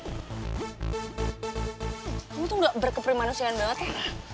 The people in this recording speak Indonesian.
kamu tuh gak berkeprimanusiaan banget ya